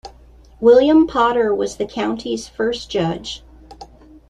William Potter was the county's first judge.